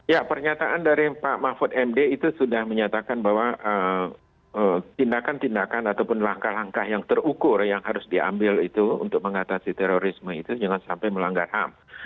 ya pernyataan dari pak mahfud md itu sudah menyatakan bahwa tindakan tindakan ataupun langkah langkah yang terukur yang harus diambil itu untuk mengatasi terorisme itu jangan sampai melanggar ham